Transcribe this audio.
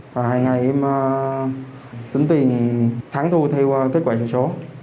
và hàng ngày em tính tiền thắng thua theo kết quả truyền số